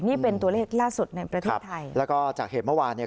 นี่เป็นตัวเลขล่าสุดในประเทศไทยแล้วก็จากเหตุเมื่อวานเนี่ย